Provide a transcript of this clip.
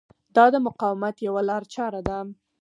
دا د مقاومت یوه لارچاره ده.